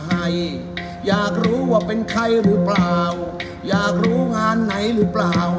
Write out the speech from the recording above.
ให้อยากรู้ว่าเป็นใครหรือเปล่าอยากรู้งานไหนหรือเปล่า